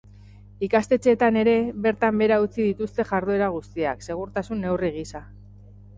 Ikastetxeetan ere, bertan behera utzi dituzte jarduera guztiak, segurtasun neurri gisa.